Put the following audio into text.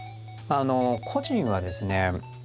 個人はですね